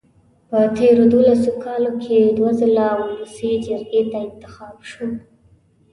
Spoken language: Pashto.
په تېرو دولسو کالو کې دوه ځله ولسي جرګې ته انتخاب شوم.